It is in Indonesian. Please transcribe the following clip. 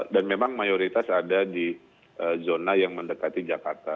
dan memang mayoritas ada di zona yang mendekati jakarta